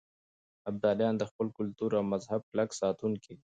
ابدالیان د خپل کلتور او مذهب کلک ساتونکي دي.